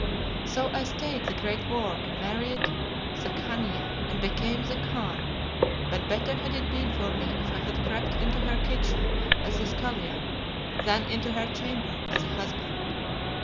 "So I stayed the great war and married the Khania and became the Khan; but better had it been for me if I had crept into her kitchen as a scullion, than into her chamber as a husband.